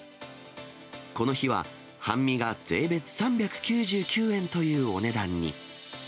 この日は半身が税別３９９円というお値段に。